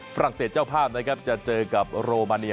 ฝรัศเจ้าภาพนะครับจะเจอกับโรมาเนีย